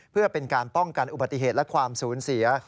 เพื่อเป็นการป้องกันอุบัติเหตุและความสูญเสีย